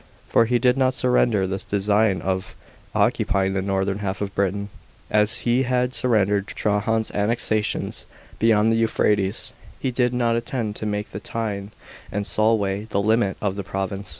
For he did not surrender the design of occupying the northern half of Britain, as he had surrendered Trajan's annexations beyond the Euphrates; he did not intend to make the Tyne and Sol way the limit of the province.